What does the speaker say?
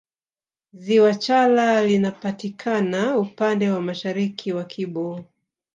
Ziwa chala linapatikana upande wa mashariki wa kibo